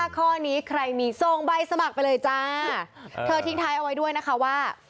ข้อนี้ใครมีส่งใบสมัครไปเลยจ้าเธอทิ้งท้ายเอาไว้ด้วยนะคะว่า